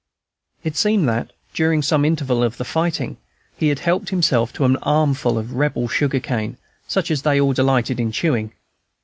It seemed that, during some interval of the fighting, he had helped himself to an armful of Rebel sugar cane, such as they all delighted in chewing.